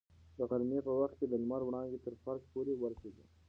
د غرمې په وخت کې د لمر وړانګې تر فرش پورې ورسېدې.